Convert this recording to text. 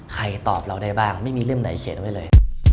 ตอบเราได้บ้างไม่มีเล่มไหนเขียนไว้เลย